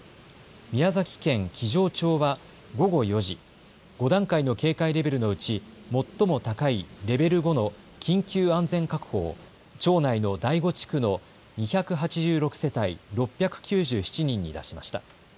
宮崎県木城町は、午後４時、５段階の警戒レベルのうち、最も高いレベル５の緊急安全確保を、町内の第５地区の２８６世帯６９７人に出しました。